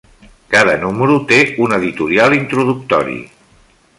Cada número té un editorial introductori.